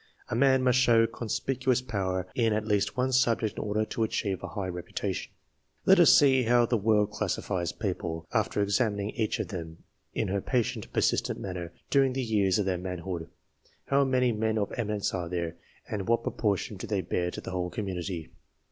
A man must show conspicuous power in at least one subject in order to achieve a high reputation. Let us see how the world classifies people, after ex amining each of them, in her patient, persistent manner, during the years of their manhood. How many men of " eminence " are there, and what proportion do they bear to the whole community